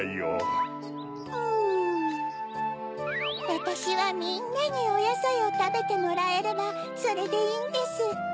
わたしはみんなにおやさいをたべてもらえればそれでいいんです。